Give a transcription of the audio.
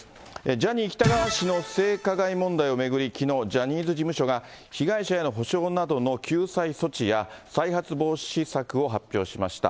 ジャニー喜多川氏の性加害問題を巡り、きのう、ジャニーズ事務所が被害者への補償などの救済措置や、再発防止策を発表しました。